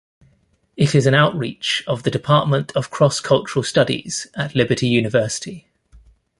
It is an outreach of the Department of Cross-Cultural Studies at Liberty University.